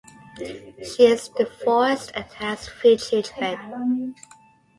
She is divorced and has three children.